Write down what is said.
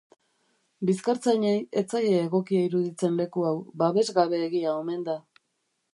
Bizkartzainei ez zaie egokia iruditzen leku hau, babesgabeegia omen da.